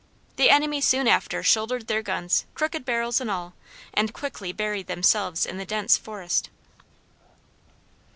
The enemy soon after shouldered their guns, crooked barrels and all, and quickly buried themselves in the dense forest.